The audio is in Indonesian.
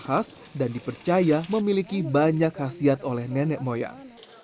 khas dan dipercaya memiliki banyak khasiat oleh nenek moyang